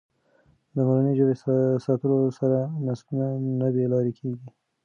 د مورنۍ ژبه ساتلو سره نسلونه نه بې لارې کېږي.